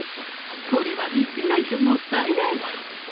これは見せないともったいない。